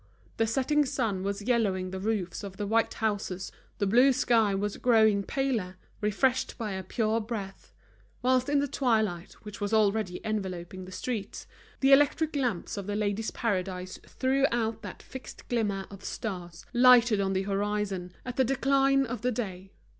The setting sun was yellowing the roofs of the white houses, the blue sky was growing paler, refreshed by a pure breath; whilst in the twilight, which was already enveloping the streets, the electric lamps of The Ladies' Paradise threw out that fixed glimmer of stars lighted on the horizon at the decline of the day.